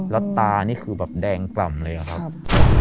แล้วตานี่คือแบบแดงกล่ำเลยอะครับ